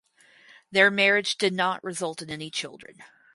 Their marriage did not result in any children.